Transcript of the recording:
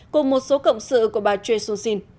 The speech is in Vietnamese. cùng một số cộng sự của bà choi soon sin